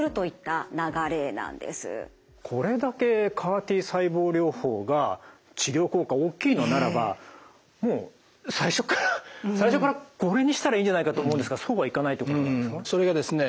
これだけＣＡＲ−Ｔ細胞療法が治療効果大きいのならば最初からこれにしたらいいんじゃないかと思うんですがそうはいかないところなんですか？